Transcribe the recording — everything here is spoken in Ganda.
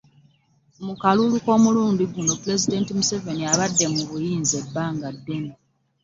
Mu kalulu k'omulundi guno, Pulezidenti Museveni abadde mu buyinza ebbanga ddene